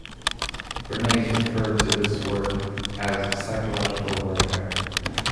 Bernays referred to this work as "psychological warfare".